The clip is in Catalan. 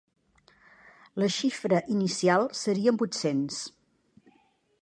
La xifra inicial serien vuit-cents.